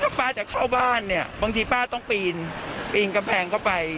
ถ้าป้าจะเข้าบ้านเนี่ยบางทีป้าต้องปีนปีนกำแพงเข้าไป